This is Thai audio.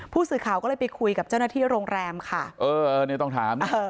ผู้สื่อข่าวก็เลยไปคุยกับเจ้าหน้าที่โรงแรมค่ะเออเออนี่ต้องถามเออ